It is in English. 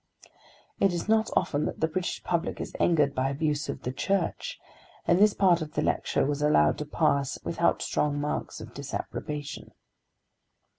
It is not often that the British public is angered by abuse of the Church, and this part of the lecture was allowed to pass without strong marks of disapprobation.